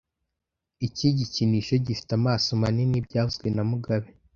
Iki gikinisho gifite amaso manini byavuzwe na mugabe